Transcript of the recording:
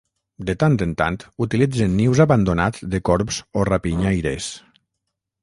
De tant en tant utilitzen nius abandonats de corbs o rapinyaires.